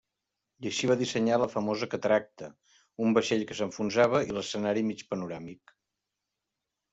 I així va dissenyar la famosa cataracta, un vaixell que s'enfonsava, i l'escenari mig panoràmic.